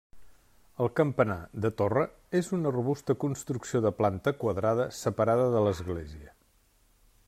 El campanar, de torre, és una robusta construcció de planta quadrada, separada de l'església.